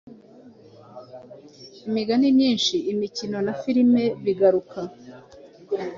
imigani myinshi imikino na firime bigaruka